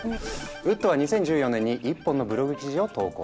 ウッドは２０１４年に１本のブログ記事を投稿した。